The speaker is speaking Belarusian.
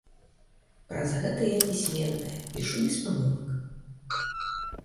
Праз гэта я пісьменная, пішу без памылак.